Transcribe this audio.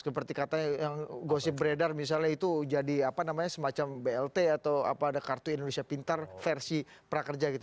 seperti katanya yang gosip beredar misalnya itu jadi apa namanya semacam blt atau apa ada kartu indonesia pintar versi prakerja gitu